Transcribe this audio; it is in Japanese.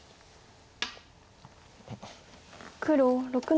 黒６の七。